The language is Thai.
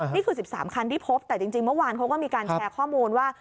นี่คือสิบสามคันที่พบแต่จริงจริงเมื่อวานเขาก็มีการแชร์ข้อมูลว่า